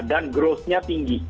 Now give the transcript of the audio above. dan growthnya tinggi